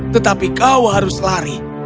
tetapi kau harus lari